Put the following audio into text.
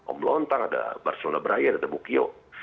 om blontang ada barcelona braille ada the bukio